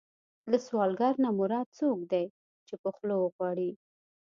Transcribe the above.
له سوالګر نه مراد څوک دی چې په خوله وغواړي.